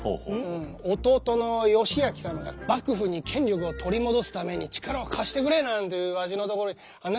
弟の義昭様が「幕府に権力を取り戻すために力を貸してくれ」なんてわしのところへ話が来ちゃったからね。